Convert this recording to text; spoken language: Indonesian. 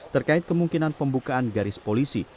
terkait kemungkinan pembukaan garis polisi